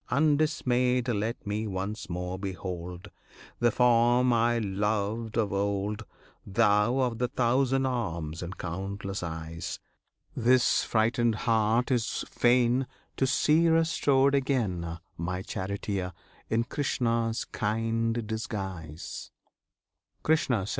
Undismayed Let me once more behold The form I loved of old, Thou of the thousand arms and countless eyes! This frightened heart is fain To see restored again My Charioteer, in Krishna's kind disguise. Krishna.